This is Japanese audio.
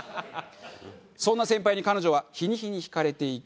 そんな先輩に彼女は日に日に惹かれていき